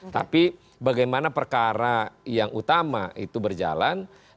tapi bagaimana perkara yang utama itu berjalan